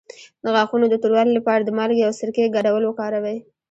د غاښونو د توروالي لپاره د مالګې او سرکې ګډول وکاروئ